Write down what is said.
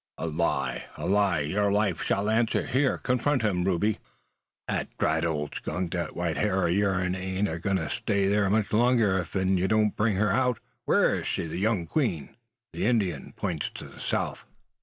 "A lie! a lie! your life shall answer. Here! confront him, Rube!" "'Ee dratted old skunk! That white har o' yourn ain't a gwine to stay thur much longer ev you don't bring her out. Whur is she? the young queen?" "Al sur," and the Indian points to the south.